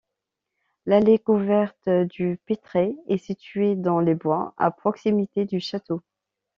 L'Allée couverte du Pitray est située dans les bois, à proximité du château.